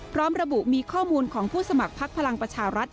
พร้อมระบุมีข้อมูลของผู้สมัครพักพลังประชารัฐ